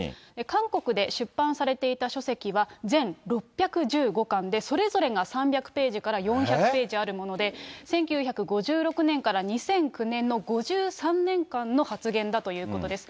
韓国で出版されていた書籍は全６１５巻で、それぞれが３００ページから４００ページあるもので、１９５６年から２００９年の５３年間の発言だということです。